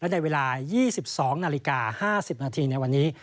ในเวลา๒๒นาฬิกา๕๐นาทีในวันนี้